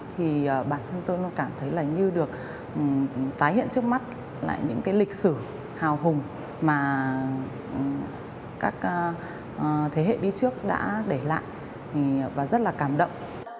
thì bản thân tôi nó cảm thấy là như được tái hiện trước mắt lại những cái lịch sử hào hùng mà các thế hệ đi trước đã để lại và rất là cảm động